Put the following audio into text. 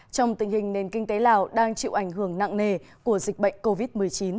trong tình hình nền kinh tế lào đang chịu ảnh hưởng nặng nề của dịch bệnh covid một mươi chín